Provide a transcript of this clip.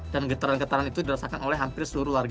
dan getaran getaran itu dirasakan oleh hampir seluruh warga